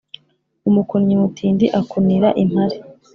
umukunnyi mutindi akunira impare.